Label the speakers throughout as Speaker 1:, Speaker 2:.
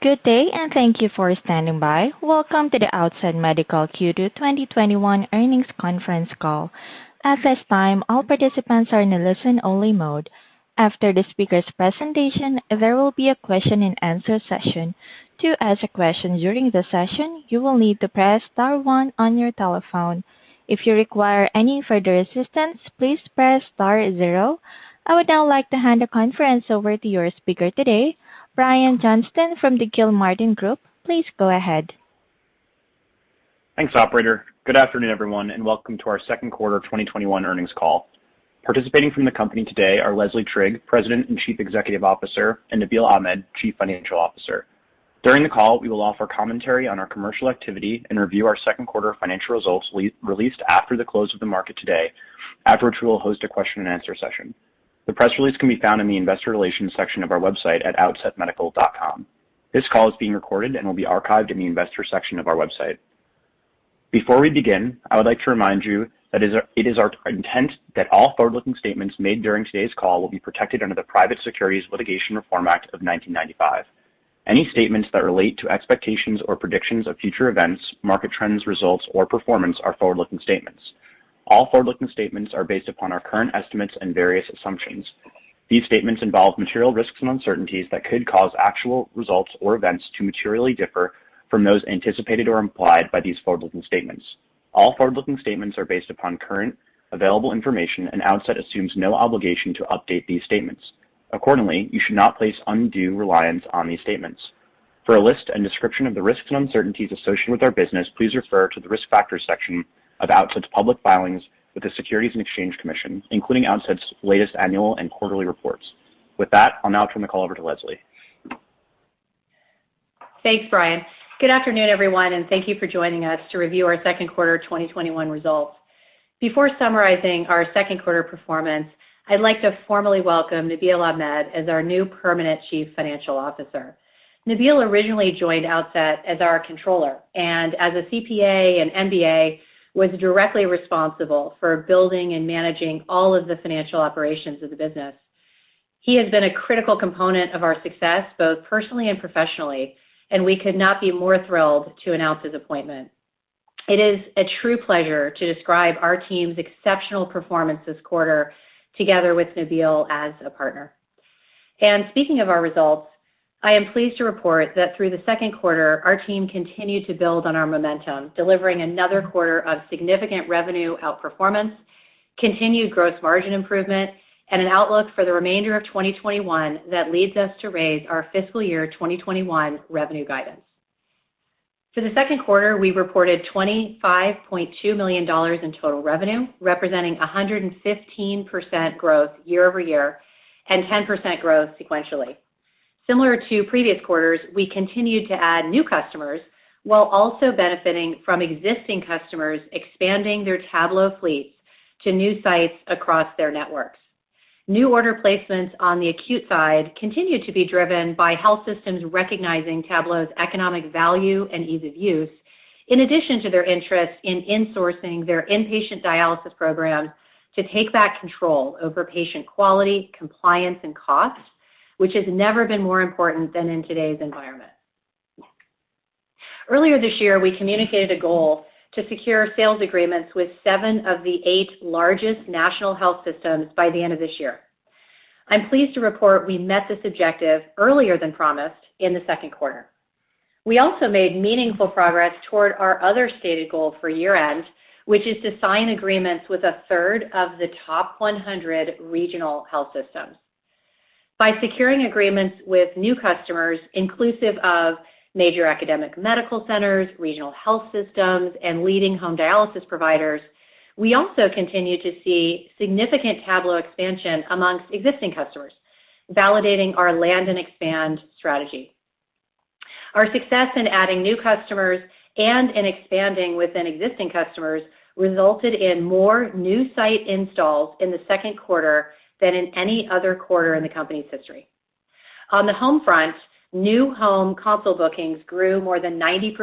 Speaker 1: Good day, and thank you for standing by. Welcome to the Outset Medical Q2 2021 earnings conference call. I would now like to hand the conference over to your speaker today, Brian Johnston from the Gilmartin Group. Please go ahead.
Speaker 2: Thanks, operator. Good afternoon, everyone, and welcome to our second quarter 2021 earnings call. Participating from the company today are Leslie Trigg, President and Chief Executive Officer, and Nabeel Ahmed, Chief Financial Officer. During the call, we will offer commentary on our commercial activity and review our second quarter financial results released after the close of the market today. After which, we will host a question and answer session. The press release can be found in the investor relations section of our website at outsetmedical.com. This call is being recorded and will be archived in the investor section of our website. Before we begin, I would like to remind you that it is our intent that all forward-looking statements made during today's call will be protected under the Private Securities Litigation Reform Act of 1995. Any statements that relate to expectations or predictions of future events, market trends, results, or performance are forward-looking statements. All forward-looking statements are based upon our current estimates and various assumptions. These statements involve material risks and uncertainties that could cause actual results or events to materially differ from those anticipated or implied by these forward-looking statements. All forward-looking statements are based upon current available information, and Outset assumes no obligation to update these statements. Accordingly, you should not place undue reliance on these statements. For a list and description of the risks and uncertainties associated with our business, please refer to the risk factors section of Outset Medical's public filings with the Securities and Exchange Commission, including Outset Medical's latest annual and quarterly reports. With that, I'll now turn the call over to Leslie.
Speaker 3: Thanks, Brian. Good afternoon, everyone, and thank you for joining us to review our second quarter 2021 results. Before summarizing our second quarter performance, I'd like to formally welcome Nabeel Ahmed as our new permanent Chief Financial Officer. Nabeel originally joined Outset Medical as our Controller, and as a CPA and MBA, was directly responsible for building and managing all of the financial operations of the business. He has been a critical component of our success, both personally and professionally, and we could not be more thrilled to announce his appointment. It is a true pleasure to describe our team's exceptional performance this quarter together with Nabeel as a partner. Speaking of our results, I am pleased to report that through the second quarter, our team continued to build on our momentum, delivering another quarter of significant revenue outperformance, continued gross margin improvement, and an outlook for the remainder of 2021 that leads us to raise our fiscal year 2021 revenue guidance. For the second quarter, we reported $25.2 million in total revenue, representing 115% growth year-over-year and 10% growth sequentially. Similar to previous quarters, we continued to add new customers while also benefiting from existing customers expanding their Tablo fleets to new sites across their networks. New order placements on the acute side continued to be driven by health systems recognizing Tablo's economic value and ease of use, in addition to their interest in insourcing their inpatient dialysis program to take back control over patient quality, compliance, and cost, which has never been more important than in today's environment. Earlier this year, we communicated a goal to secure sales agreements with seven of the eight largest national health systems by the end of this year. I'm pleased to report we met this objective earlier than promised in the second quarter. We also made meaningful progress toward our other stated goal for year-end, which is to sign agreements with a third of the top 100 regional health systems. By securing agreements with new customers, inclusive of major academic medical centers, regional health systems, and leading home dialysis providers, we also continued to see significant Tablo expansion amongst existing customers, validating our land and expand strategy. Our success in adding new customers and in expanding within existing customers resulted in more new site installs in the second quarter than in any other quarter in the company's history. On the home front, new home console bookings grew more than 90%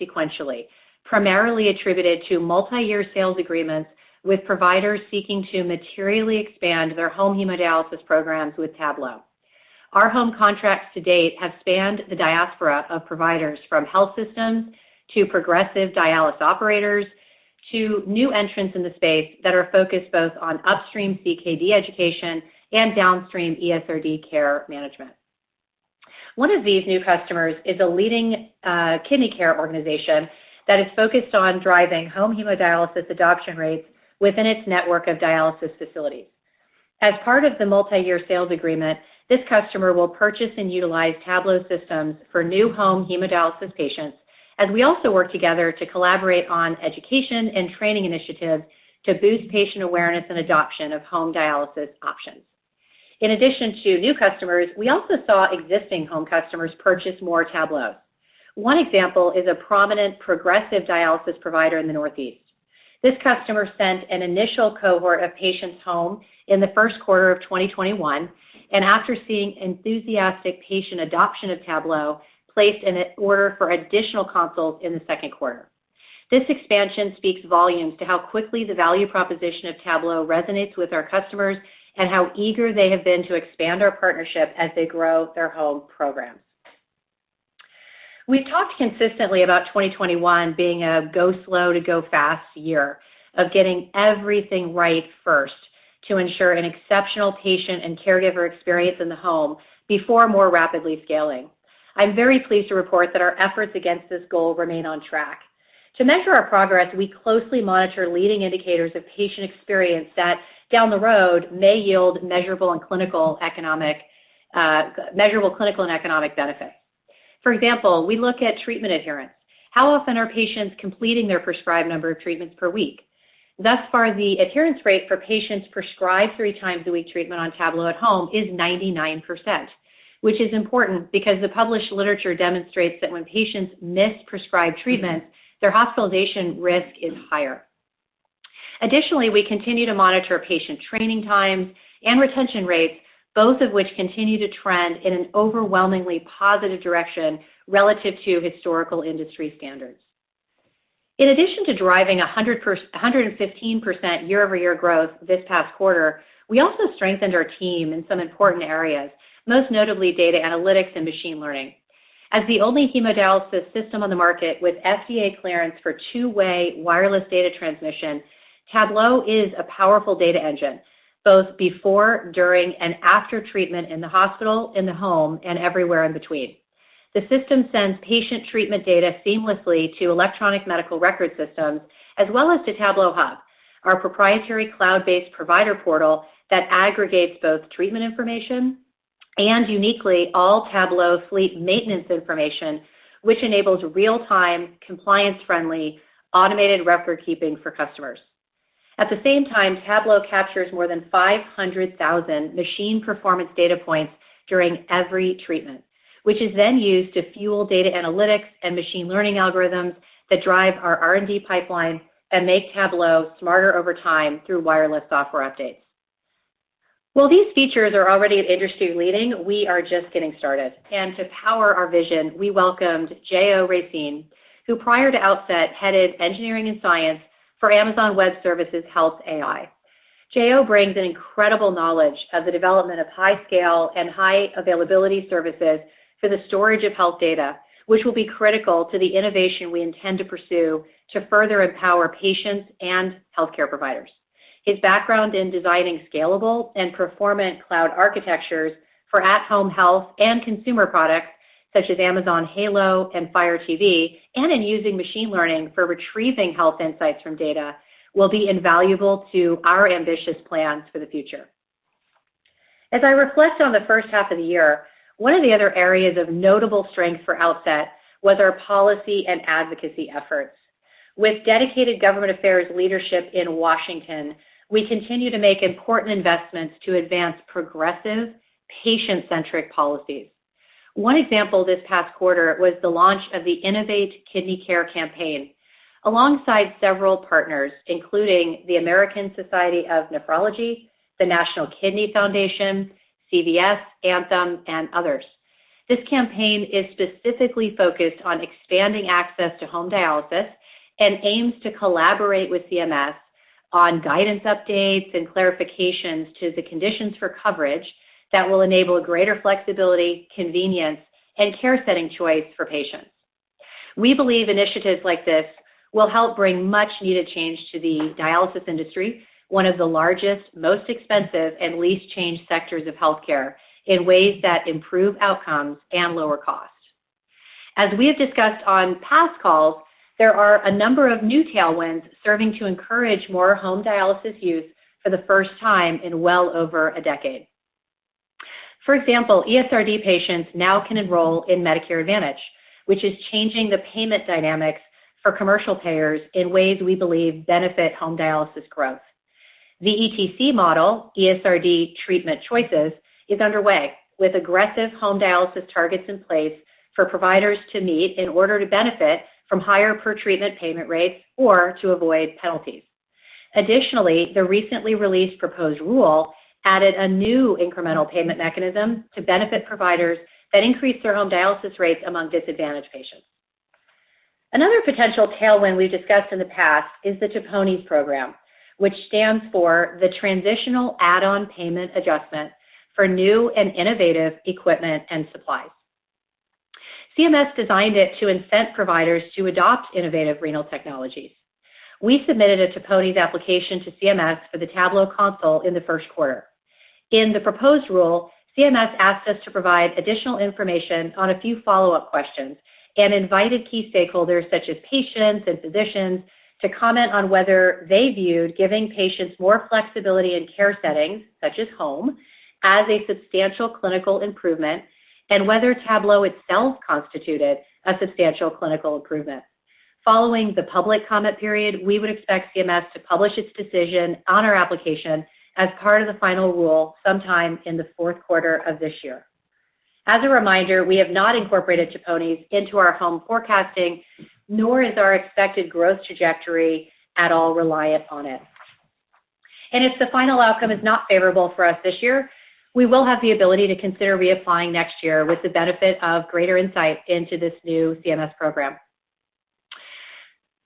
Speaker 3: sequentially, primarily attributed to multi-year sales agreements with providers seeking to materially expand their home hemodialysis programs with Tablo. Our home contracts to date have spanned the diaspora of providers from health systems to progressive dialysis operators to new entrants in the space that are focused both on upstream CKD education and downstream ESRD care management. One of these new customers is a leading kidney care organization that is focused on driving home hemodialysis adoption rates within its network of dialysis facilities. As part of the multi-year sales agreement, this customer will purchase and utilize Tablo systems for new home hemodialysis patients as we also work together to collaborate on education and training initiatives to boost patient awareness and adoption of home dialysis options. In addition to new customers, we also saw existing home customers purchase more Tablo. One example is a prominent progressive dialysis provider in the Northeast. This customer sent an initial cohort of patients home in the first quarter of 2021, and after seeing enthusiastic patient adoption of Tablo, placed an order for additional consoles in the second quarter. This expansion speaks volumes to how quickly the value proposition of Tablo resonates with our customers and how eager they have been to expand our partnership as they grow their home programs. We've talked consistently about 2021 being a go slow to go fast year of getting everything right first to ensure an exceptional patient and caregiver experience in the home before more rapidly scaling. I'm very pleased to report that our efforts against this goal remain on track. To measure our progress, we closely monitor leading indicators of patient experience that down the road may yield measurable clinical and economic benefits. For example, we look at treatment adherence. How often are patients completing their prescribed number of treatments per week? Thus far, the adherence rate for patients prescribed three times a week treatment on Tablo at home is 99%, which is important because the published literature demonstrates that when patients miss prescribed treatments, their hospitalization risk is higher. Additionally, we continue to monitor patient training times and retention rates, both of which continue to trend in an overwhelmingly positive direction relative to historical industry standards. In addition to driving 115% year-over-year growth this past quarter, we also strengthened our team in some important areas, most notably data analytics and machine learning. As the only hemodialysis system on the market with FDA clearance for two-way wireless data transmission, Tablo is a powerful data engine, both before, during, and after treatment in the hospital, in the home, and everywhere in between. The system sends patient treatment data seamlessly to electronic medical record systems, as well as to Tablo Hub, our proprietary cloud-based provider portal that aggregates both treatment information and uniquely all Tablo fleet maintenance information, which enables real-time, compliance-friendly, automated record-keeping for customers. At the same time, Tablo captures more than 500,000 machine performance data points during every treatment, which is then used to fuel data analytics and machine learning algorithms that drive our R&D pipeline and make Tablo smarter over time through wireless software updates. While these features are already industry-leading, we are just getting started. To power our vision, we welcomed Jean-Olivier Racine, who prior to Outset, headed engineering and science for Amazon Web Services Health AI. Jean-Olivier Racine brings an incredible knowledge of the development of high scale and high availability services for the storage of health data, which will be critical to the innovation we intend to pursue to further empower patients and healthcare providers. His background in designing scalable and performant cloud architectures for at-home health and consumer products such as Amazon Halo and Fire TV, and in using machine learning for retrieving health insights from data, will be invaluable to our ambitious plans for the future. As I reflect on the first half of the year, one of the other areas of notable strength for Outset was our policy and advocacy efforts. With dedicated government affairs leadership in Washington, we continue to make important investments to advance progressive, patient-centric policies. One example this past quarter was the launch of the Innovate Kidney Care campaign alongside several partners, including the American Society of Nephrology, the National Kidney Foundation, CVS, Anthem, and others. This campaign is specifically focused on expanding access to home dialysis and aims to collaborate with CMS on guidance updates and clarifications to the conditions for coverage that will enable greater flexibility, convenience, and care setting choice for patients. We believe initiatives like this will help bring much-needed change to the dialysis industry, one of the largest, most expensive, and least changed sectors of healthcare, in ways that improve outcomes and lower costs. As we have discussed on past calls, there are a number of new tailwinds serving to encourage more home dialysis use for the first time in well over a decade. For example, ESRD patients now can enroll in Medicare Advantage, which is changing the payment dynamics for commercial payers in ways we believe benefit home dialysis growth. The ETC model, ESRD Treatment Choices, is underway with aggressive home dialysis targets in place for providers to meet in order to benefit from higher per treatment payment rates or to avoid penalties. Additionally, the recently released proposed rule added a new incremental payment mechanism to benefit providers that increase their home dialysis rates among disadvantaged patients. Another potential tailwind we've discussed in the past is the TPNIES program, which stands for the Transitional Add-on Payment Adjustment for New and Innovative Equipment and Supplies. CMS designed it to incent providers to adopt innovative renal technologies. We submitted a TPNIES application to CMS for the Tablo console in the first quarter. In the proposed rule, CMS asked us to provide additional information on a few follow-up questions and invited key stakeholders such as patients and physicians to comment on whether they viewed giving patients more flexibility in care settings, such as home, as a substantial clinical improvement, and whether Tablo itself constituted a substantial clinical improvement. Following the public comment period, we would expect CMS to publish its decision on our application as part of the final rule sometime in the 4th quarter of this year. As a reminder, we have not incorporated TPNIES into our home forecasting, nor is our expected growth trajectory at all reliant on it. If the final outcome is not favorable for us this year, we will have the ability to consider reapplying next year with the benefit of greater insight into this new CMS program.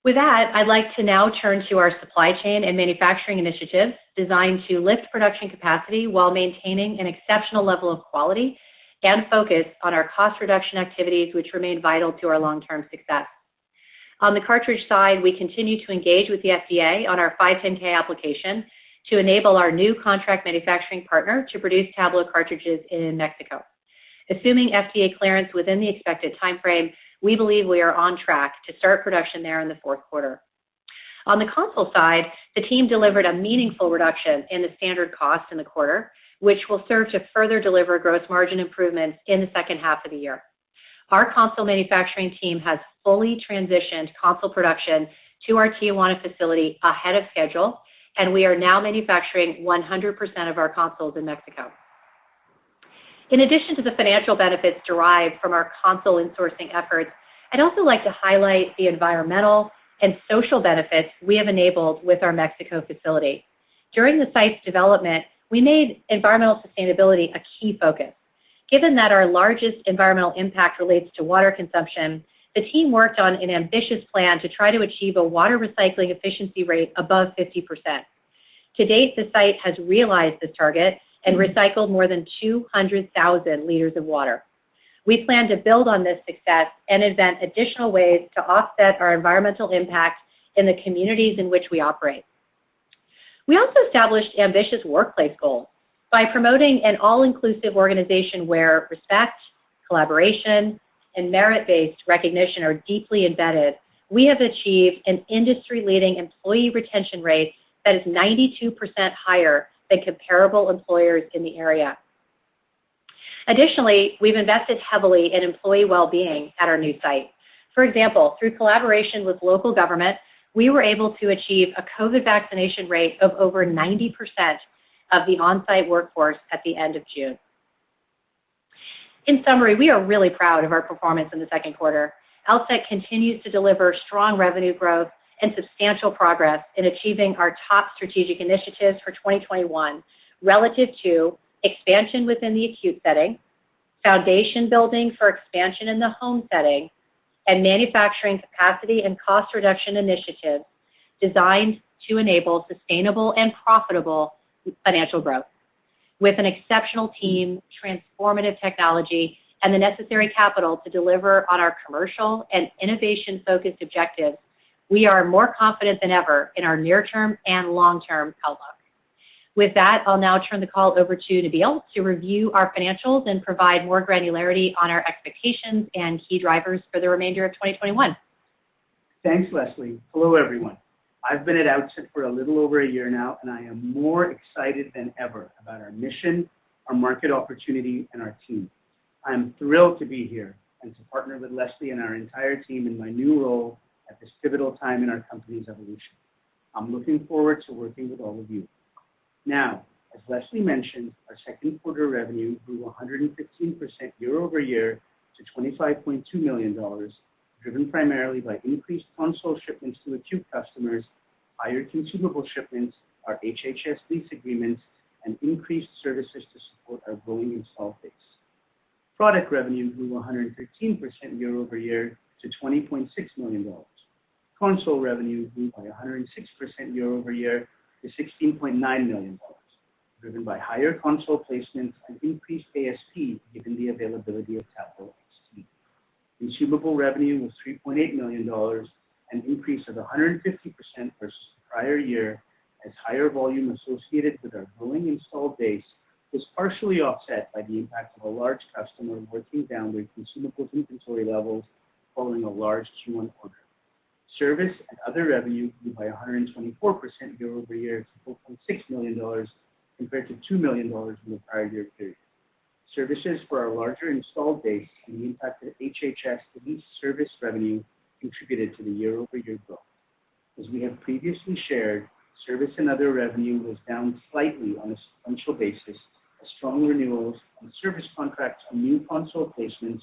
Speaker 3: With that, I'd like to now turn to our supply chain and manufacturing initiatives designed to lift production capacity while maintaining an exceptional level of quality and focus on our cost reduction activities, which remain vital to our long-term success. On the cartridge side, we continue to engage with the FDA on our 510 application to enable our new contract manufacturing partner to produce Tablo cartridges in Mexico. Assuming FDA clearance within the expected timeframe, we believe we are on track to start production there in the fourth quarter. On the console side, the team delivered a meaningful reduction in the standard cost in the quarter, which will serve to further deliver gross margin improvements in the second half of the year. Our console manufacturing team has fully transitioned console production to our Tijuana facility ahead of schedule, and we are now manufacturing 100% of our consoles in Mexico. In addition to the financial benefits derived from our console and sourcing efforts, I'd also like to highlight the environmental and social benefits we have enabled with our Mexico facility. During the site's development, we made environmental sustainability a key focus. Given that our largest environmental impact relates to water consumption, the team worked on an ambitious plan to try to achieve a water recycling efficiency rate above 50%. To date, the site has realized this target and recycled more than 200,000 liters of water. We plan to build on this success and invent additional ways to offset our environmental impact in the communities in which we operate. We also established ambitious workplace goals by promoting an all-inclusive organization where respect, collaboration, and merit-based recognition are deeply embedded. We have achieved an industry-leading employee retention rate that is 92% higher than comparable employers in the area. Additionally, we've invested heavily in employee wellbeing at our new site. For example, through collaboration with local government, we were able to achieve a COVID vaccination rate of over 90% of the on-site workforce at the end of June. In summary, we are really proud of our performance in the second quarter. Outset continues to deliver strong revenue growth and substantial progress in achieving our top strategic initiatives for 2021 relative to expansion within the acute setting, foundation building for expansion in the home setting, and manufacturing capacity and cost reduction initiatives designed to enable sustainable and profitable financial growth. With an exceptional team, transformative technology, and the necessary capital to deliver on our commercial and innovation-focused objectives, we are more confident than ever in our near-term and long-term outlook. With that, I'll now turn the call over to Nabeel to review our financials and provide more granularity on our expectations and key drivers for the remainder of 2021.
Speaker 4: Thanks, Leslie. Hello, everyone. I've been at Outset for a little over a year now, and I am more excited than ever about our mission, our market opportunity, and our team. I'm thrilled to be here and to partner with Leslie and our entire team in my new role at this pivotal time in our company's evolution. I'm looking forward to working with all of you. Now, as Leslie mentioned, our second quarter revenue grew 115% year-over-year to $25.2 million, driven primarily by increased console shipments to acute customers, higher consumable shipments, our HHS lease agreements, and increased services to support our growing installed base. Product revenue grew 113% year-over-year to $20.6 million. Console revenue grew by 106% year-over-year to $16.9 million, driven by higher console placements and increased ASP given the availability of Tablo XD. Consumable revenue was $3.8 million, an increase of 150% versus the prior year, as higher volume associated with our growing installed base was partially offset by the impact of a large customer working down their consumables inventory levels following a large Q1 order. Service and other revenue grew by 124% year-over-year to $4.6 million compared to $2 million in the prior year period. Services for our larger installed base and the impact of HHS's lease service revenue contributed to the year-over-year growth. As we have previously shared, service and other revenue was down slightly on a sequential basis as strong renewals on service contracts on new console placements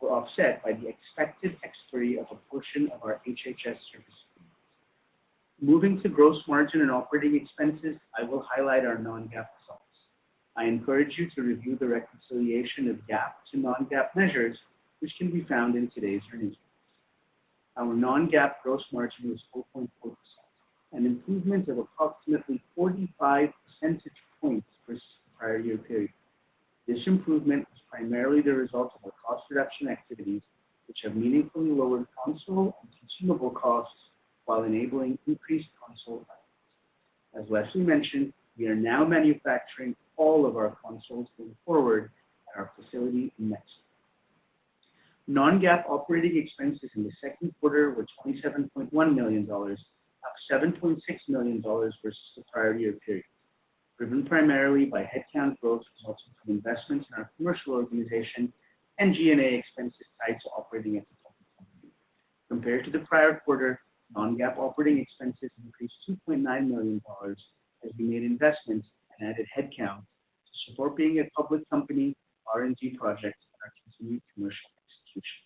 Speaker 4: were offset by the expected expiry of a portion of our HHS service agreements. Moving to gross margin and operating expenses, I will highlight our non-GAAP results. I encourage you to review the reconciliation of GAAP to non-GAAP measures, which can be found in today's earnings release. Our non-GAAP gross margin was 4.4%, an improvement of approximately 45 percentage points versus the prior year period. This improvement was primarily the result of our cost reduction activities, which have meaningfully lowered console and consumable costs while enabling increased console volumes. As Leslie mentioned, we are now manufacturing all of our consoles going forward at our facility in Mexico. Non-GAAP operating expenses in the second quarter were $27.1 million, up $7.6 million versus the prior year period, driven primarily by headcount growth resulting from investments in our commercial organization and G&A expenses tied to operating as a public company. Compared to the prior quarter, non-GAAP operating expenses increased $2.9 million as we made investments and added headcount to support being a public company, R&D projects, and our continued commercial execution.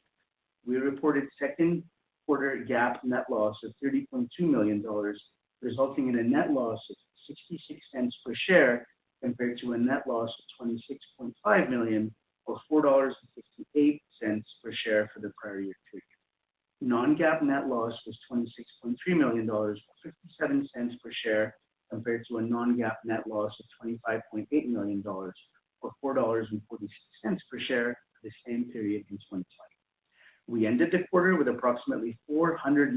Speaker 4: We reported second quarter GAAP net loss of $30.2 million, resulting in a net loss of $0.66 per share compared to a net loss of $26.5 million or $4.68 per share for the prior year period. Non-GAAP net loss was $26.3 million or $0.57 per share compared to a non-GAAP net loss of $25.8 million or $4.46 per share for the same period in 2020. We ended the quarter with approximately $430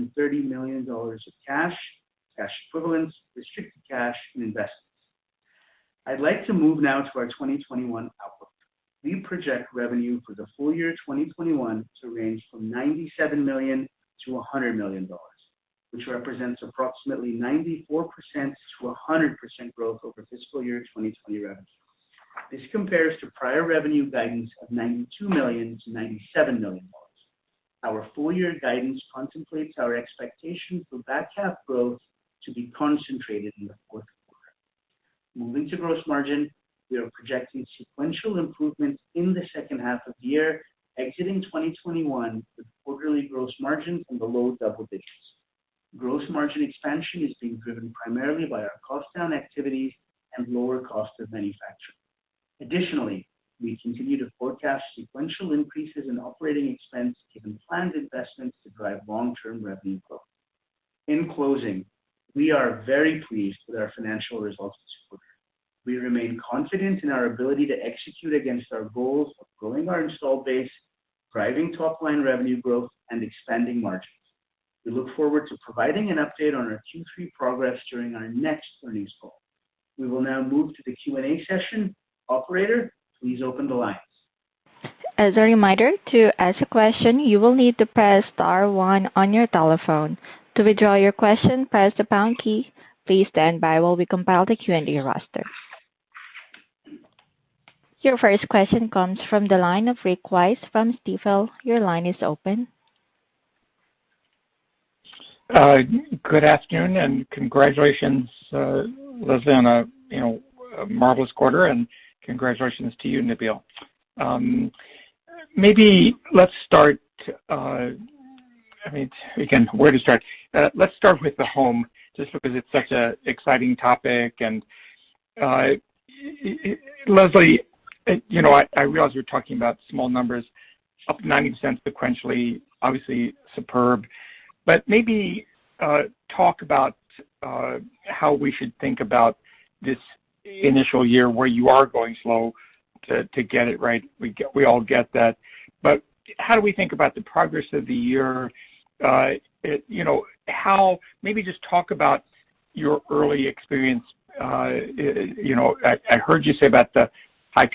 Speaker 4: million of cash equivalents, restricted cash, and investments. I'd like to move now to our 2021 outlook. We project revenue for the full year 2021 to range from $97 million-$100 million, which represents approximately 94%-100% growth over fiscal year 2020 revenue. This compares to prior revenue guidance of $92 million to $97 million. Our full-year guidance contemplates our expectation for back half growth to be concentrated in the fourth quarter. Moving to gross margin, we are projecting sequential improvement in the second half of the year, exiting 2021 with quarterly gross margins in the low double digits. Gross margin expansion is being driven primarily by our cost down activities and lower cost of manufacturing. Additionally, we continue to forecast sequential increases in operating expense given planned investments to drive long-term revenue growth. In closing, we are very pleased with our financial results this quarter. We remain confident in our ability to execute against our goals of growing our install base, driving top-line revenue growth, and expanding margins. We look forward to providing an update on our Q3 progress during our next earnings call. We will now move to the Q&A session. Operator, please open the lines.
Speaker 1: Your first question comes from the line of Rick Wise from Stifel. Your line is open.
Speaker 5: Good afternoon. Congratulations, Leslie, on a marvelous quarter, and congratulations to you, Nabeel. I mean, where to start? Let's start with the home, just because it's such an exciting topic. Leslie, I realize you're talking about small numbers, up $0.90 sequentially, obviously superb. Maybe talk about how we should think about this initial year where you are going slow to get it right. We all get that. How do we think about the progress of the year? Maybe just talk about your early experience. I heard you say about the high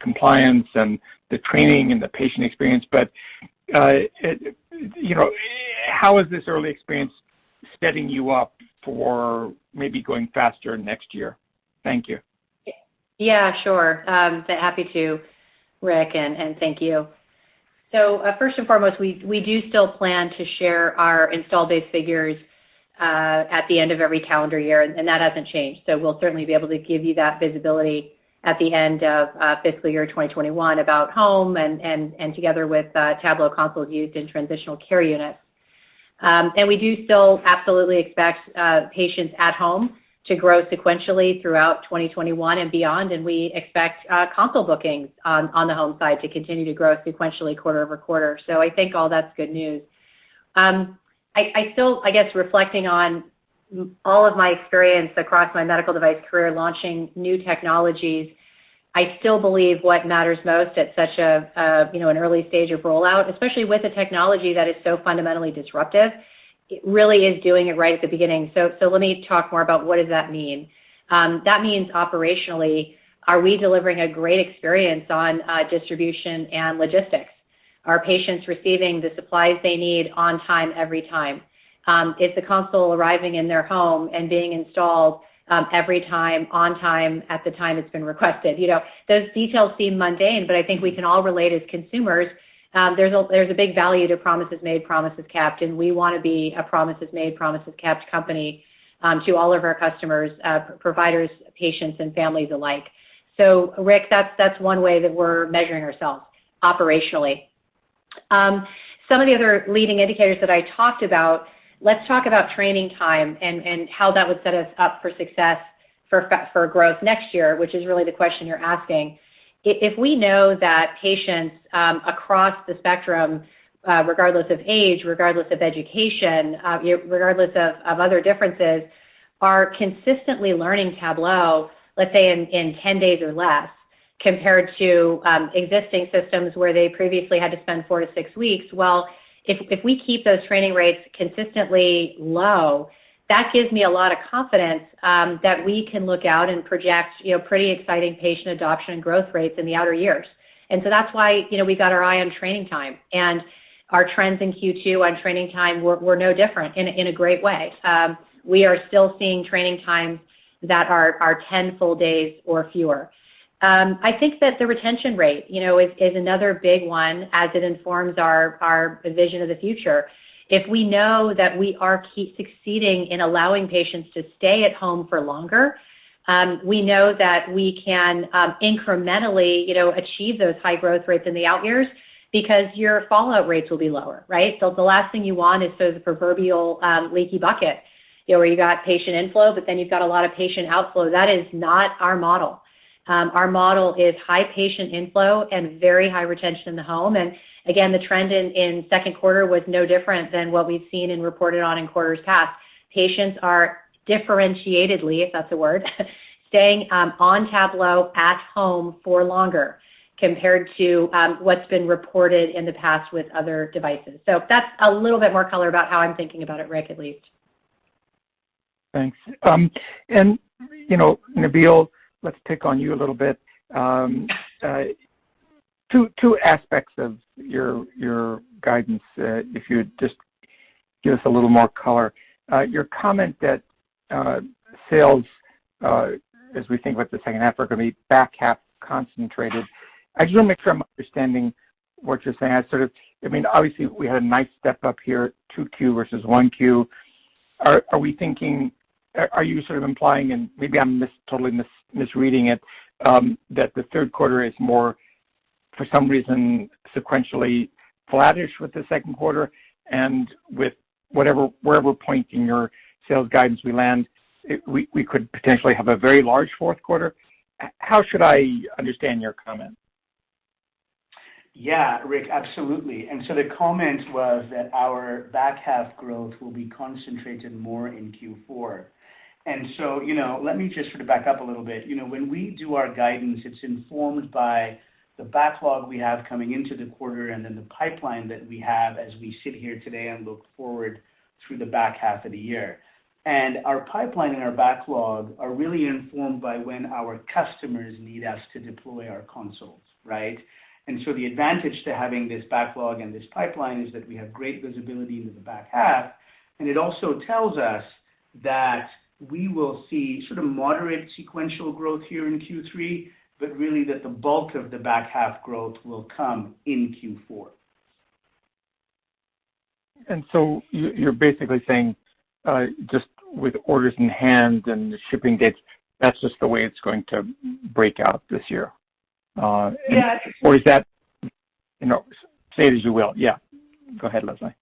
Speaker 5: compliance and the training and the patient experience, but how is this early experience setting you up for maybe going faster next year? Thank you.
Speaker 3: Yeah, sure. Happy to, Rick, and thank you. First and foremost, we do still plan to share our install base figures at the end of every calendar year, and that hasn't changed. We'll certainly be able to give you that visibility at the end of fiscal year 2021 about home and together with Tablo consoles used in transitional care units. We do still absolutely expect patients at home to grow sequentially throughout 2021 and beyond. We expect console bookings on the home side to continue to grow sequentially quarter-over-quarter. I think all that's good news. I guess reflecting on all of my experience across my medical device career launching new technologies, I still believe what matters most at such an early stage of rollout, especially with a technology that is so fundamentally disruptive, really is doing it right at the beginning. Let me talk more about what does that mean. That means operationally, are we delivering a great experience on distribution and logistics? Are patients receiving the supplies they need on time, every time? Is the console arriving in their home and being installed every time, on time, at the time it's been requested? Those details seem mundane, but I think we can all relate as consumers. There's a big value to promises made, promises kept, and we want to be a promises made, promises kept company to all of our customers, providers, patients, and families alike. Rick, that's one way that we're measuring ourselves operationally. Some of the other leading indicators that I talked about, let's talk about training time and how that would set us up for success for growth next year, which is really the question you're asking. If we know that patients across the spectrum, regardless of age, regardless of education, regardless of other differences, are consistently learning Tablo, let's say in 10 days or less, compared to existing systems where they previously had to spend 4 to 6 weeks. Well, if we keep those training rates consistently low, that gives me a lot of confidence that we can look out and project pretty exciting patient adoption and growth rates in the outer years. That's why we got our eye on training time. Our trends in Q2 on training time were no different in a great way. We are still seeing training times that are 10 full days or fewer. I think that the retention rate is another big one as it informs our vision of the future. If we know that we are succeeding in allowing patients to stay at home for longer, we know that we can incrementally achieve those high growth rates in the out years because your fallout rates will be lower. Right? The last thing you want is the proverbial leaky bucket, where you got patient inflow, but then you've got a lot of patient outflow. That is not our model. Our model is high patient inflow and very high retention in the home. Again, the trend in second quarter was no different than what we've seen and reported on in quarters past. Patients are differentiatedly, if that's a word, staying on Tablo at home for longer, compared to what's been reported in the past with other devices. That's a little bit more color about how I'm thinking about it, Rick, at least.
Speaker 5: Thanks. Nabeel, let's pick on you a little bit. Two aspects of your guidance, if you'd just give us a little more color. Your comment that sales, as we think about the second half, are going to be back half concentrated. I just want to make sure I'm understanding what you're saying. Obviously we had a nice step up here, 2Q versus 1Q. Are you sort of implying, and maybe I'm totally misreading it, that the third quarter is more, for some reason, sequentially flattish with the second quarter and with wherever point in your sales guidance we land, we could potentially have a very large fourth quarter? How should I understand your comment?
Speaker 4: Yeah. Rick, absolutely. The comment was that our back half growth will be concentrated more in Q4. Let me just sort of back up a little bit. When we do our guidance, it's informed by the backlog we have coming into the quarter, and then the pipeline that we have as we sit here today and look forward through the back half of the year. Our pipeline and our backlog are really informed by when our customers need us to deploy our consoles. Right? The advantage to having this backlog and this pipeline is that we have great visibility into the back half, and it also tells us that we will see sort of moderate sequential growth here in Q3, but really that the bulk of the back half growth will come in Q4.
Speaker 5: You're basically saying just with orders in hand and the shipping dates, that's just the way it's going to break out this year.
Speaker 4: Yeah.
Speaker 5: Say it as you will. Yeah, go ahead, Leslie.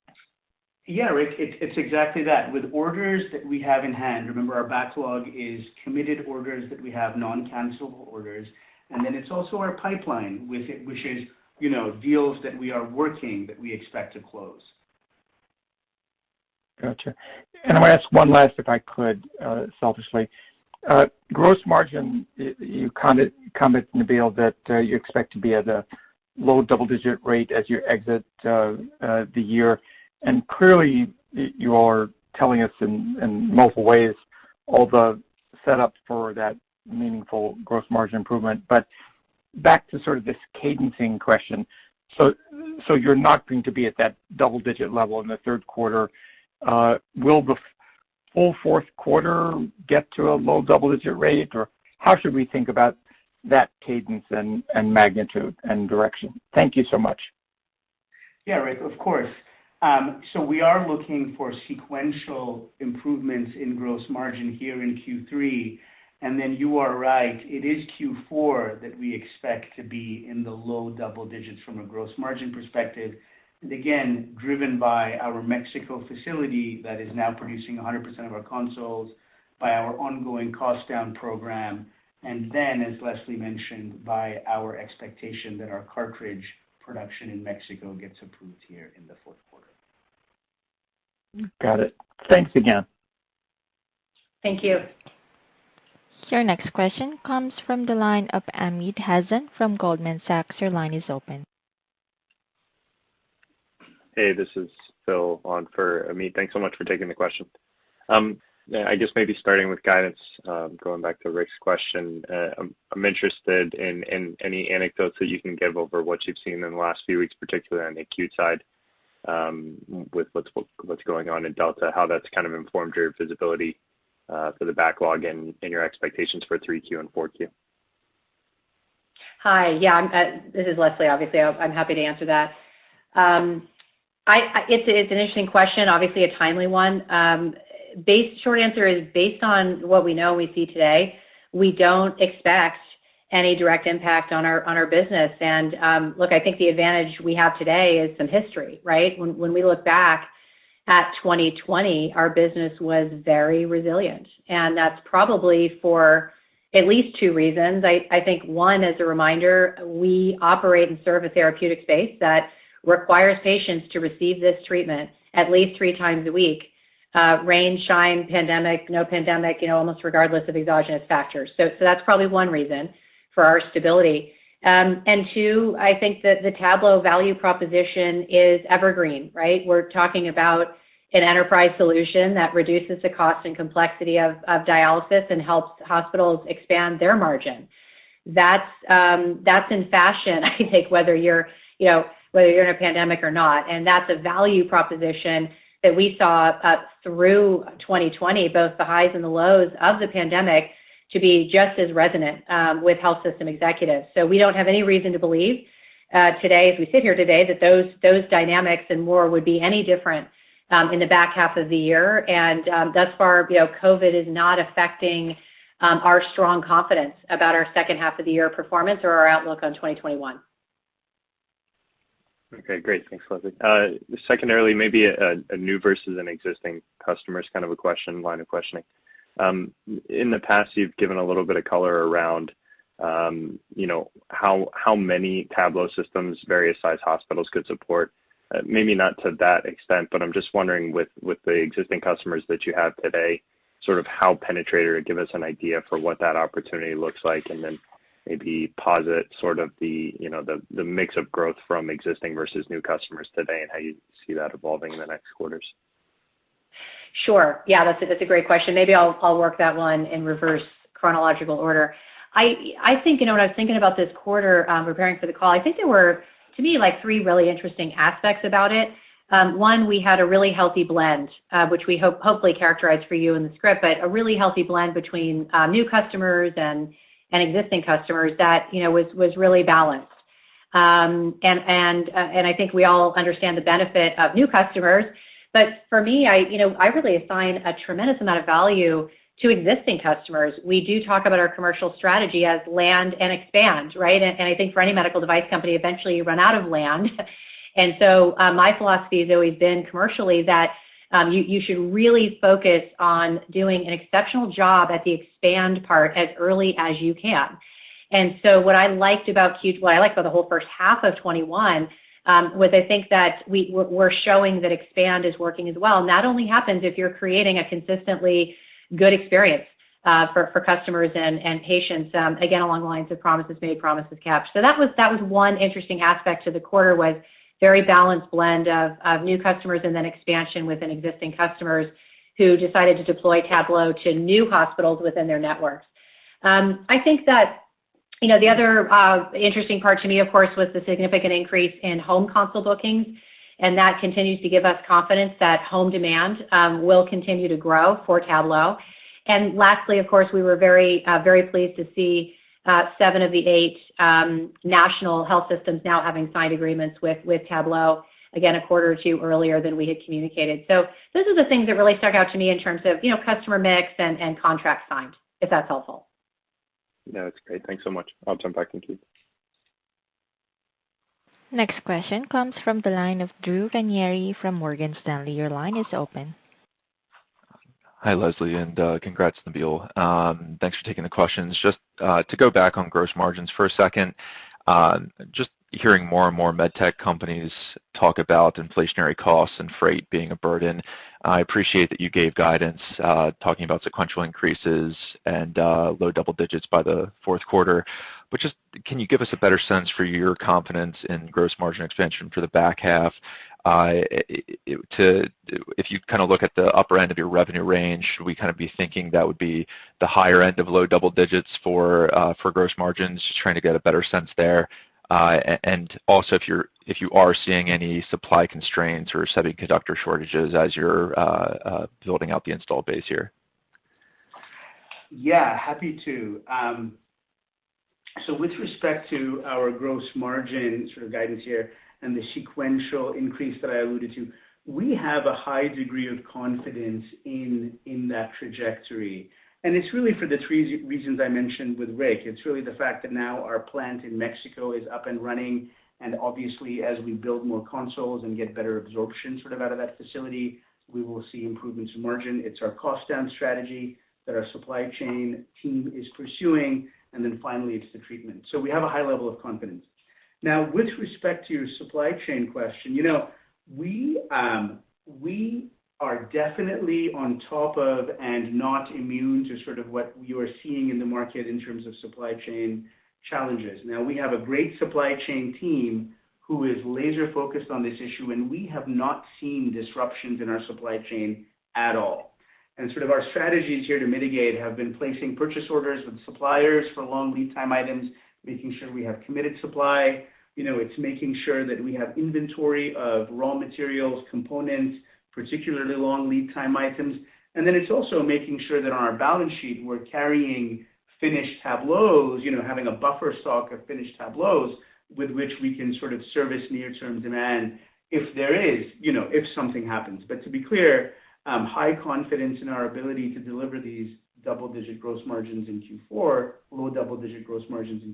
Speaker 4: Yeah, Rick, it's exactly that. With orders that we have in hand, remember our backlog is committed orders that we have, non-cancellable orders, and then it's also our pipeline, which is deals that we are working that we expect to close.
Speaker 5: Got you. I'm going to ask one last if I could, selfishly. Gross margin, you commented, Nabeel, that you expect to be at a low double-digit rate as you exit the year. Clearly you are telling us in multiple ways all the set up for that meaningful gross margin improvement. Back to sort of this cadencing question. You're not going to be at that double-digit level in the third quarter. Will the full fourth quarter get to a low double-digit rate? How should we think about that cadence and magnitude and direction? Thank you so much.
Speaker 4: Yeah, Rick, of course. We are looking for sequential improvements in gross margin here in Q3, and then you are right, it is Q4 that we expect to be in the low double digits from a gross margin perspective. Again, driven by our Mexico facility that is now producing 100% of our consoles, by our ongoing cost down program, and then, as Leslie mentioned, by our expectation that our cartridge production in Mexico gets approved here in the fourth quarter.
Speaker 5: Got it. Thanks again.
Speaker 3: Thank you.
Speaker 1: Your next question comes from the line of Amit Hazan from Goldman Sachs. Your line is open.
Speaker 6: Hey, this is Phil on for Amit. Thanks so much for taking the question. I guess maybe starting with guidance, going back to Rick's question, I'm interested in any anecdotes that you can give over what you've seen in the last few weeks, particularly on the acute side, with what's going on in Delta, how that's kind of informed your visibility for the backlog and your expectations for 3Q and 4Q.
Speaker 3: Hi. Yeah, this is Leslie, obviously. I'm happy to answer that. It's an interesting question, obviously a timely one. Short answer is based on what we know and we see today, we don't expect any direct impact on our business. Look, I think the advantage we have today is some history. Right? When we look back at 2020, our business was very resilient, and that's probably for at least two reasons. I think one, as a reminder, we operate and serve a therapeutic space that requires patients to receive this treatment at least three times a week, rain, shine, pandemic, no pandemic, almost regardless of exogenous factors. That's probably one reason for our stability. Two, I think that the Tablo value proposition is evergreen. Right? We're talking about an enterprise solution that reduces the cost and complexity of dialysis and helps hospitals expand their margin. That's in fashion I think whether you're in a pandemic or not, and that's a value proposition that we saw up through 2020, both the highs and the lows of the pandemic, to be just as resonant with health system executives. We don't have any reason to believe today, as we sit here today, that those dynamics and more would be any different in the back half of the year. Thus far, COVID is not affecting our strong confidence about our second half of the year performance or our outlook on 2021.
Speaker 6: Okay, great. Thanks, Leslie. Secondarily, maybe a new versus an existing customers kind of a line of questioning. In the past, you've given a little bit of color around how many Tablo systems various size hospitals could support. Maybe not to that extent, but I'm just wondering with the existing customers that you have today, sort of how penetrated give us an idea for what that opportunity looks like, and then maybe posit sort of the mix of growth from existing versus new customers today, and how you see that evolving in the next quarters.
Speaker 3: Sure. Yeah, that's a great question. Maybe I'll work that one in reverse chronological order. When I was thinking about this quarter, preparing for the call, I think there were, to me, three really interesting aspects about it. One, we had a really healthy blend, which we hopefully characterized for you in the script, but a really healthy blend between new customers and existing customers that was really balanced. I think we all understand the benefit of new customers, but for me, I really assign a tremendous amount of value to existing customers. We do talk about our commercial strategy as land and expand, right? I think for any medical device company, eventually you run out of land. My philosophy has always been commercially that you should really focus on doing an exceptional job at the expand part as early as you can. What I liked about Q4, I liked about the whole first half of 2021, was I think that we're showing that expand is working as well, and that only happens if you're creating a consistently good experience for customers and patients, again, along the lines of promises made, promises kept. That was one interesting aspect to the quarter was very balanced blend of new customers and then expansion within existing customers who decided to deploy Tablo to new hospitals within their networks. I think that the other interesting part to me, of course, was the significant increase in home console bookings, and that continues to give us confidence that home demand will continue to grow for Tablo. Lastly, of course, we were very pleased to see seven of the eight national health systems now having signed agreements with Tablo, again, a quarter or two earlier than we had communicated. Those are the things that really stuck out to me in terms of customer mix and contracts signed, if that's helpful.
Speaker 6: No, that's great. Thanks so much. I'll jump back to Keith.
Speaker 1: Next question comes from the line of Drew Ranieri from Morgan Stanley. Your line is open.
Speaker 7: Hi, Leslie, and congrats, Nabeel. Thanks for taking the questions. Just to go back on gross margins for a second, just hearing more and more medtech companies talk about inflationary costs and freight being a burden. I appreciate that you gave guidance, talking about sequential increases and low double digits by the fourth quarter. Can you give us a better sense for your confidence in gross margin expansion for the back half? If you look at the upper end of your revenue range, should we be thinking that would be the higher end of low double digits for gross margins? Just trying to get a better sense there. Also if you are seeing any supply constraints or semiconductor shortages as you're building out the install base here.
Speaker 4: Happy to. With respect to our gross margin sort of guidance here and the sequential increase that I alluded to, we have a high degree of confidence in that trajectory, and it's really for the three reasons I mentioned with Rick Wise. It's really the fact that now our plant in Mexico is up and running, and obviously as we build more consoles and get better absorption sort of out of that facility, we will see improvements in margin. It's our cost-down strategy that our supply chain team is pursuing, and then finally, it's the treatment. We have a high level of confidence. Now, with respect to your supply chain question, we are definitely on top of and not immune to sort of what you are seeing in the market in terms of supply chain challenges. We have a great supply chain team who is laser-focused on this issue, and we have not seen disruptions in our supply chain at all. Our strategies here to mitigate have been placing purchase orders with suppliers for long lead time items, making sure we have committed supply. It is making sure that we have inventory of raw materials, components, particularly long lead time items. Then it is also making sure that on our balance sheet, we are carrying finished Tablos, having a buffer stock of finished Tablos with which we can sort of service near-term demand if something happens. To be clear, high confidence in our ability to deliver these low double-digit gross margins in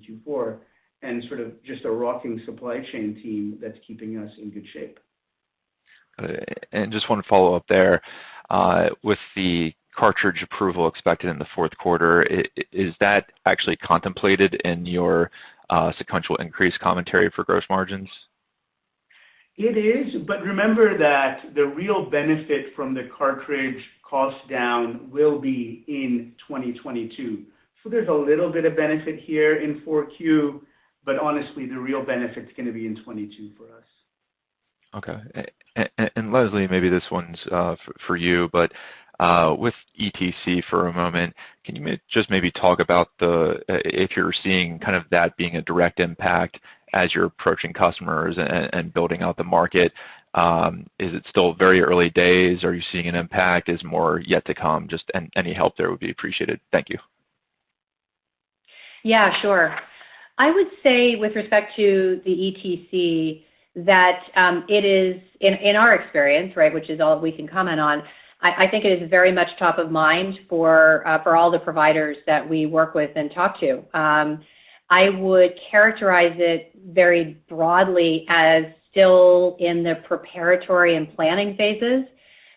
Speaker 4: Q4, and sort of just a rocking supply chain team that is keeping us in good shape.
Speaker 7: Got it. Just one follow-up there. With the cartridge approval expected in the fourth quarter, is that actually contemplated in your sequential increase commentary for gross margins?
Speaker 4: It is. Remember that the real benefit from the cartridge cost down will be in 2022. There's a little bit of benefit here in 4Q, but honestly, the real benefit's going to be in 2022 for us.
Speaker 7: Okay. Leslie, maybe this one's for you, but with ETC for a moment, can you just maybe talk about if you're seeing kind of that being a direct impact as you're approaching customers and building out the market? Is it still very early days? Are you seeing an impact? Is more yet to come? Just any help there would be appreciated. Thank you.
Speaker 3: Yeah, sure. I would say with respect to the ETC, that it is in our experience, right, which is all we can comment on, I think it is very much top of mind for all the providers that we work with and talk to. I would characterize it very broadly as still in the preparatory and planning phases.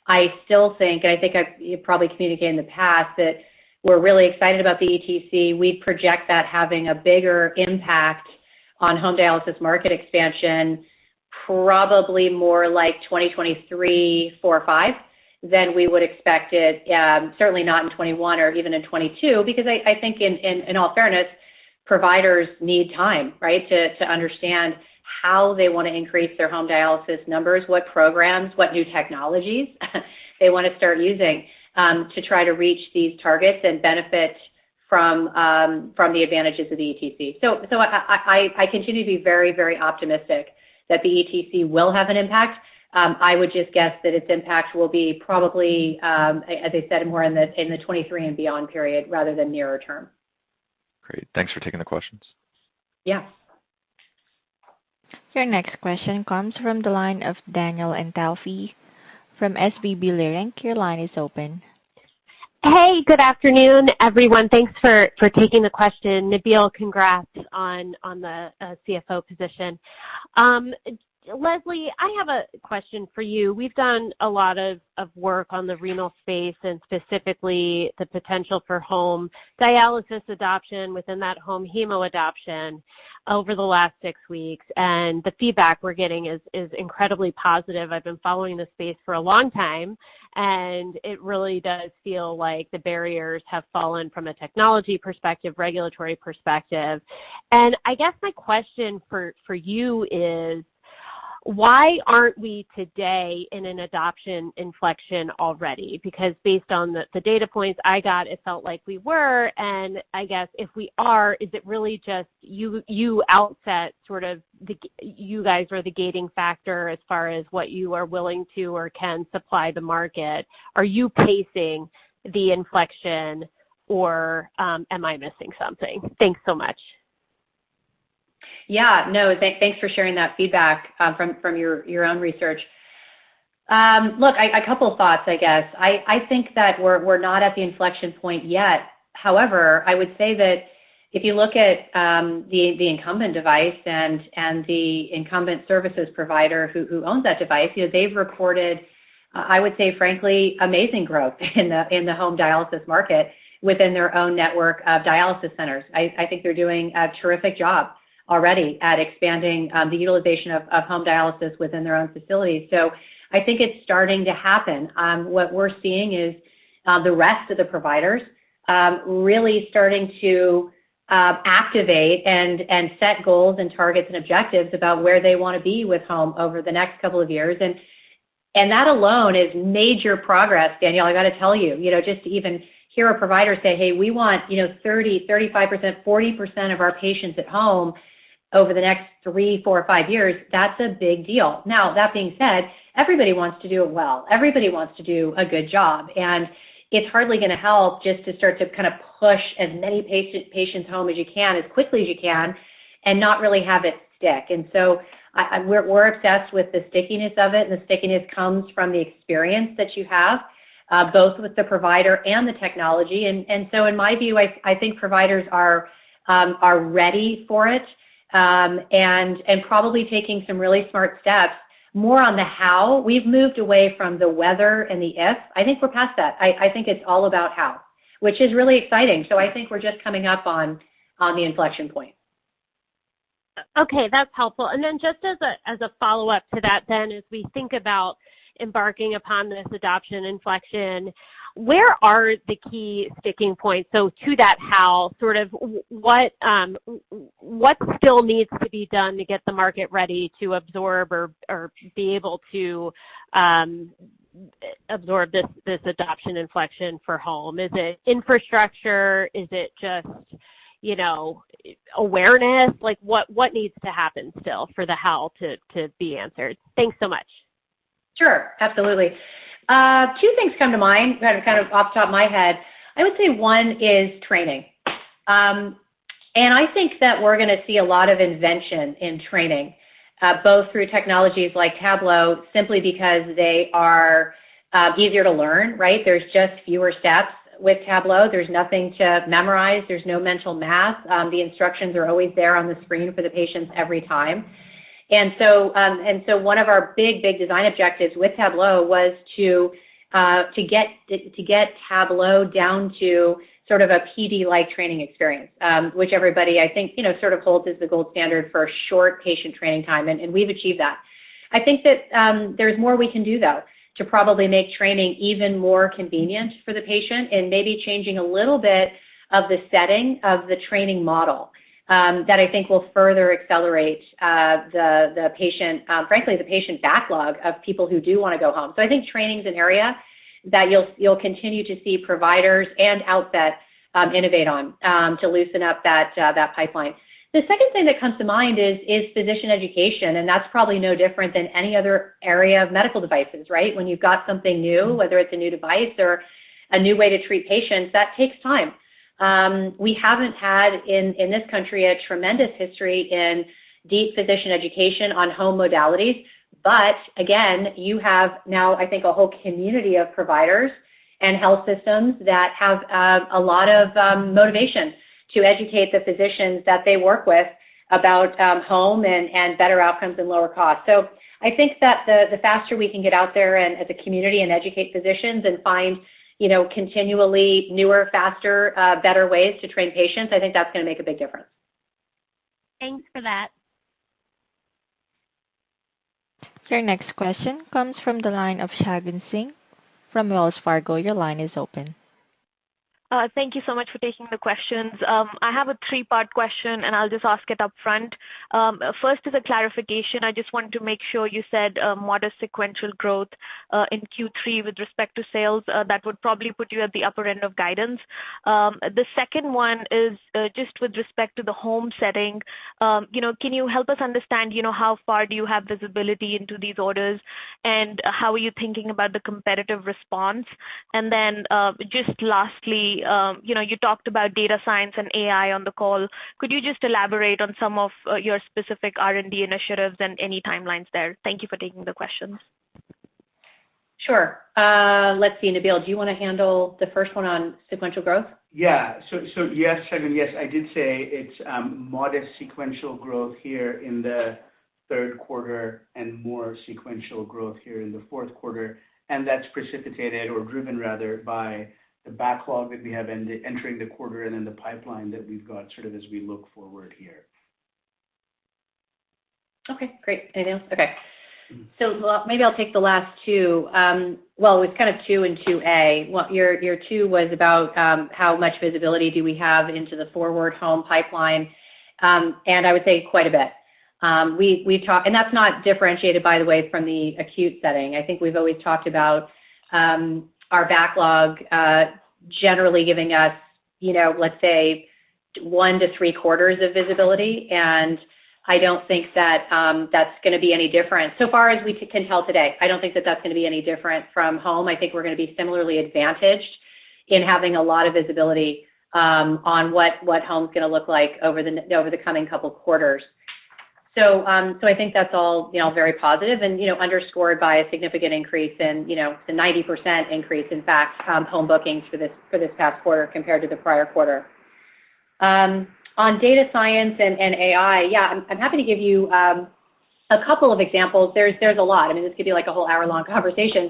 Speaker 3: I think I've probably communicated in the past that we're really excited about the ETC. We project that having a bigger impact on home dialysis market expansion, probably more like 2023, 2024, 2025, than we would expect it, certainly not in 2021 or even in 2022, because I think in all fairness, providers need time to understand how they want to increase their home dialysis numbers, what programs, what new technologies they want to start using, to try to reach these targets and benefit from the advantages of the ETC. I continue to be very optimistic that the ETC will have an impact. I would just guess that its impact will be probably, as I said, more in the 2023 and beyond period rather than nearer- term.
Speaker 7: Great. Thanks for taking the questions.
Speaker 3: Yes.
Speaker 1: Your next question comes from the line of Danielle Antalffy from SVB Leerink. Your line is open.
Speaker 8: Hey, good afternoon, everyone. Thanks for taking the question. Nabeel, congrats on the CFO position. Leslie, I have a question for you. We've done a lot of work on the renal space and specifically the potential for home dialysis adoption within that home hemo adoption over the last six weeks. The feedback we're getting is incredibly positive. I've been following this space for a long time, and it really does feel like the barriers have fallen from a technology perspective, regulatory perspective. I guess my question for you is why aren't we today in an adoption inflection already? Based on the data points I got, it felt like we were, and I guess if we are, is it really just you Outset, you guys are the gating factor as far as what you are willing to or can supply the market. Are you pacing the inflection or am I missing something? Thanks so much.
Speaker 3: Yeah, no. Thanks for sharing that feedback from your own research. A couple of thoughts, I guess. I think that we're not at the inflection point yet. However, I would say that if you look at the incumbent device and the incumbent services provider who owns that device, they've reported, I would say, frankly, amazing growth in the home dialysis market within their own network of dialysis centers. I think they're doing a terrific job already at expanding the utilization of home dialysis within their own facilities. I think it's starting to happen. What we're seeing is the rest of the providers really starting to activate and set goals and targets and objectives about where they want to be with home over the next couple of years. That alone is major progress, Danielle, I got to tell you. Just to even hear a provider say, "Hey, we want 30%, 35%, 40% of our patients at home over the next three, four, five years," that's a big deal. That being said, everybody wants to do it well. Everybody wants to do a good job, and it's hardly going to help just to start to kind of push as many patients home as you can, as quickly as you can, and not really have it stick. We're obsessed with the stickiness of it, and the stickiness comes from the experience that you have, both with the provider and the technology. In my view, I think providers are ready for it, and probably taking some really smart steps more on the how. We've moved away from the whether and the if. I think we're past that. I think it's all about how, which is really exciting. I think we're just coming up on the inflection point.
Speaker 8: Just as a follow-up to that, as we think about embarking upon this adoption inflection, where are the key sticking points? To that how, what still needs to be done to get the market ready to absorb or be able to absorb this adoption inflection for home? Is it infrastructure? Is it just awareness? What needs to happen still for the how to be answered? Thanks so much.
Speaker 3: Sure, absolutely. Two things come to mind, kind of off top my head. I would say one is training. I think that we're going to see a lot of invention in training, both through technologies like Tablo, simply because they are easier to learn. There's just fewer steps with Tablo. There's nothing to memorize. There's no mental math. The instructions are always there on the screen for the patients every time. One of our big design objectives with Tablo was to get Tablo down to sort of a PD-like training experience, which everybody, I think, sort of holds as the gold standard for short patient training time. We've achieved that. I think that there's more we can do, though, to probably make training even more convenient for the patient and maybe changing a little bit of the setting of the training model, that I think will further accelerate the patient backlog of people who do want to go home. I think training's an area that you'll continue to see providers and Outset innovate on to loosen up that pipeline. The second thing that comes to mind is physician education, and that's probably no different than any other area of medical devices. When you've got something new, whether it's a new device or a new way to treat patients, that takes time. We haven't had, in this country, a tremendous history in deep physician education on home modalities. Again, you have now, I think, a whole community of providers and health systems that have a lot of motivation to educate the physicians that they work with about home and better outcomes and lower costs. I think that the faster we can get out there as a community and educate physicians and find continually newer, faster, better ways to train patients, I think that's going to make a big difference.
Speaker 8: Thanks for that.
Speaker 1: Your next question comes from the line of Shagun Singh from Wells Fargo. Your line is open.
Speaker 9: Thank you so much for taking the questions. I have a three-part question, and I'll just ask it upfront. First is a clarification. I just wanted to make sure you said modest sequential growth in Q3 with respect to sales. That would probably put you at the upper end of guidance. The second one is just with respect to the home setting. Can you help us understand how far do you have visibility into these orders, and how are you thinking about the competitive response? Just lastly, you talked about data science and AI on the call. Could you just elaborate on some of your specific R&D initiatives and any timelines there? Thank you for taking the questions.
Speaker 3: Sure. Let's see. Nabeel, do you want to handle the first one on sequential growth?
Speaker 4: Yeah. Shagun, yes, I did say it's modest sequential growth here in the third quarter and more sequential growth here in the fourth quarter, and that's precipitated or driven rather by the backlog that we have entering the quarter and then the pipeline that we've got sort of as we look forward here.
Speaker 3: Okay, great. Anything else? Okay. Maybe I'll take the last two. Well, it's kind of two and 2A. Your two was about how much visibility do we have into the forward home pipeline. I would say quite a bit. That's not differentiated, by the way, from the acute setting. I think we've always talked about our backlog generally giving us, let's say, one to three quarters of visibility, I don't think that's going to be any different so far as we can tell today. I don't think that that's going to be any different from home. I think we're going to be similarly advantaged in having a lot of visibility on what home's going to look like over the coming couple quarters. I think that's all very positive and underscored by a significant increase in, the 90% increase, in fact, home bookings for this past quarter compared to the prior quarter. On data science and AI, yeah, I'm happy to give you two examples. There's a lot. I mean, this could be a whole one-hour-long conversation.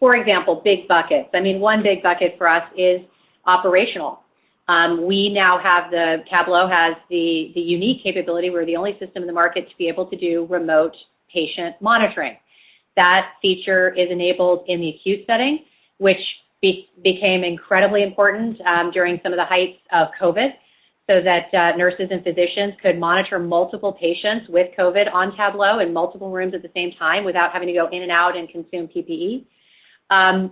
Speaker 3: For example, big buckets. One big bucket for us is operational. Tablo has the unique capability. We're the only system in the market to be able to do remote patient monitoring. That feature is enabled in the acute setting, which became incredibly important during some of the heights of COVID, so that nurses and physicians could monitor multiple patients with COVID on Tablo in multiple rooms at the same time without having to go in and out and consume PPE.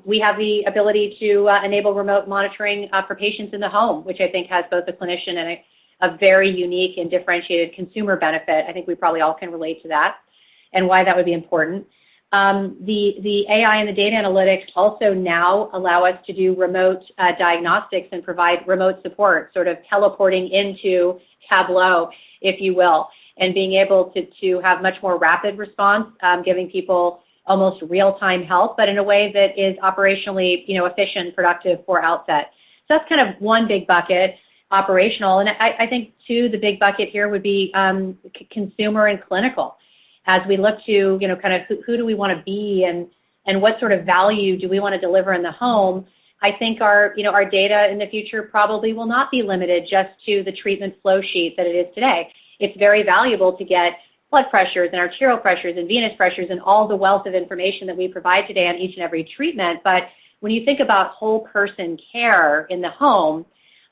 Speaker 3: We have the ability to enable remote monitoring for patients in the home, which I think has both a clinician and a very unique and differentiated consumer benefit. I think we probably all can relate to that and why that would be important. The AI and the data analytics also now allow us to do remote diagnostics and provide remote support, sort of teleporting into Tablo, if you will, and being able to have much more rapid response, giving people almost real-time help, but in a way that is operationally efficient, productive for Outset. That's one big bucket, operational. I think, too, the big bucket here would be consumer and clinical. As we look to who do we want to be and what sort of value do we want to deliver in the home, I think our data in the future probably will not be limited just to the treatment flow sheet that it is today. It's very valuable to get blood pressures and arterial pressures and venous pressures and all the wealth of information that we provide today on each and every treatment. When you think about whole person care in the home,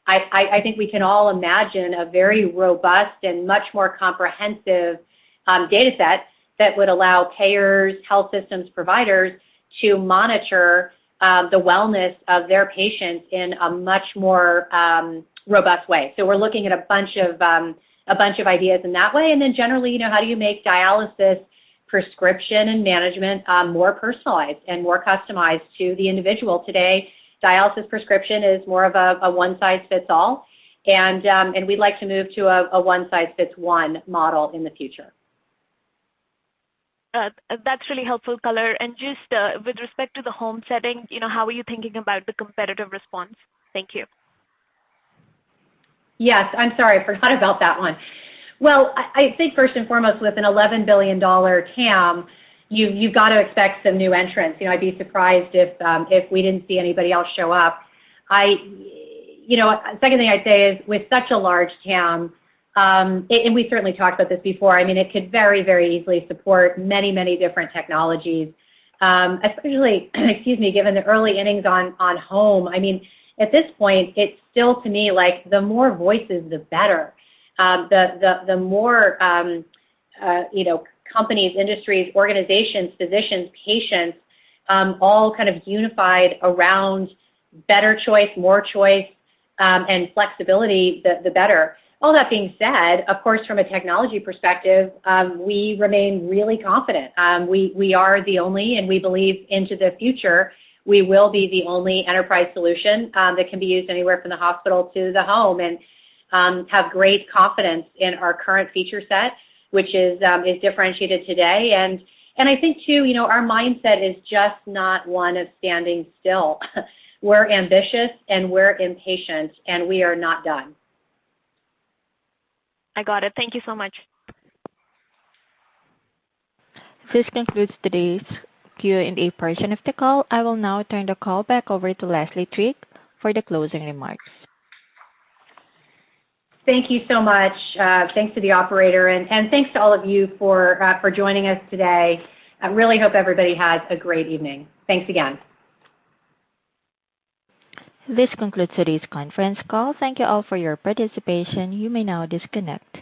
Speaker 3: I think we can all imagine a very robust and much more comprehensive data set that would allow payers, health systems providers, to monitor the wellness of their patients in a much more robust way. We're looking at a bunch of ideas in that way. Generally, how do you make dialysis prescription and management more personalized and more customized to the individual? Today, dialysis prescription is more of a one size fits all, and we'd like to move to a one size fits one model in the future.
Speaker 9: That is really helpful color. Just with respect to the home setting, how are you thinking about the competitive response? Thank you.
Speaker 3: Yes. I'm sorry. I forgot about that one. Well, I think first and foremost, with an $11 billion TAM, you've got to expect some new entrants. I'd be surprised if we didn't see anybody else show up. Second thing I'd say is with such a large TAM, and we certainly talked about this before, it could very, very easily support many, many different technologies. Especially, excuse me, given the early innings on home. At this point, it's still to me like the more voices, the better. The more companies, industries, organizations, physicians, patients, all kind of unified around better choice, more choice, and flexibility, the better. All that being said, of course, from a technology perspective, we remain really confident. We are the only, and we believe into the future, we will be the only enterprise solution that can be used anywhere from the hospital to the home and have great confidence in our current feature set, which is differentiated today. I think, too, our mindset is just not one of standing still. We're ambitious and we're impatient, and we are not done.
Speaker 9: I got it. Thank you so much.
Speaker 1: This concludes today's Q&A portion of the call. I will now turn the call back over to Leslie Trigg for the closing remarks.
Speaker 3: Thank you so much. Thanks to the operator, and thanks to all of you for joining us today. I really hope everybody has a great evening. Thanks again.
Speaker 1: This concludes today's conference call. Thank you all for your participation. You may now disconnect.